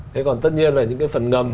thế còn tất nhiên là những cái phần ngầm